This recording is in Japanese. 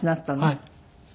はい。